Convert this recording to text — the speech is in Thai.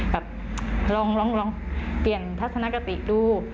แบบลองเปลี่ยนทัศนคติดู